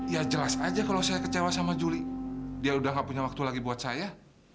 ya jelas aja kalau saya kecewa sama juli dia udah gak punya waktu lagi buat saya